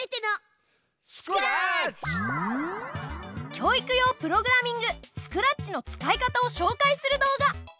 教育用プログラミングスクラッチの使い方を紹介する動画。